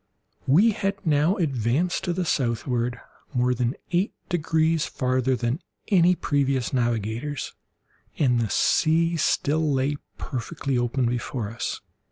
We had now advanced to the southward more than eight degrees farther than any previous navigators, and the sea still lay perfectly open before us.